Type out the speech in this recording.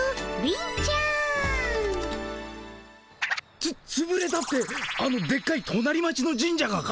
つつぶれたってあのでっかいとなり町の神社がか？